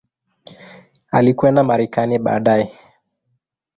Alikwenda Marekani baadaye.